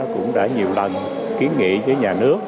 cũng đã nhiều lần kiến nghị với nhà nước